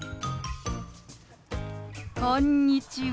こんにちは。